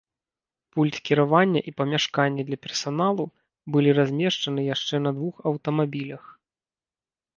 Пульт кіравання і памяшканні для персаналу былі размешчаны яшчэ на двух аўтамабілях.